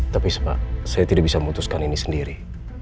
tapi pak saya tidak bisa memutuskan ini sendiri